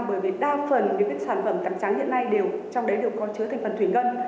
bởi vì đa phần những sản phẩm cắn hiện nay đều trong đấy đều có chứa thành phần thủy ngân